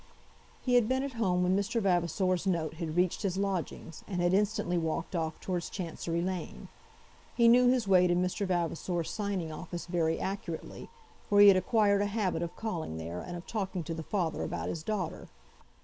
He had been at home when Mr. Vavasor's note had reached his lodgings, and had instantly walked off towards Chancery Lane. He knew his way to Mr. Vavasor's signing office very accurately, for he had acquired a habit of calling there, and of talking to the father about his daughter.